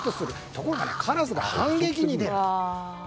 ところがカラスが反撃に出ると。